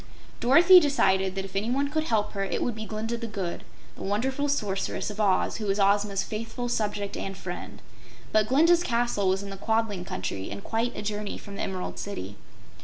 Dorothy decided that if anyone could help her it would be Glinda the Good, the wonderful Sorceress of Oz who was Ozma's faithful subject and friend. But Glinda's castle was in the Quadling Country and quite a journey from the Emerald City.